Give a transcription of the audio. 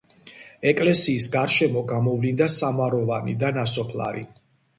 ეკლესიის გარშემო გამოვლინდა სამაროვანი და ნასოფლარი.